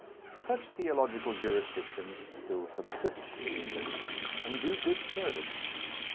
Such theological jurisdictions still subsist in England, and do good service.